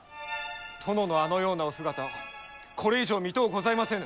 殿のあのようなお姿これ以上見とうございませぬ。